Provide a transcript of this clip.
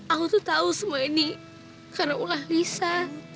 aku tuh tahu semua ini karena ulah lisa